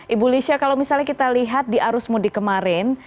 ibu lisha kalau misalnya kita lihat di arus mudik kemarin